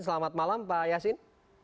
selamat malam pak yasin